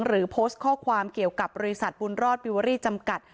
หรือโพสต์ข้อความเกี่ยวกับบริษัทบุญรอดวิเวอรี่จำกัด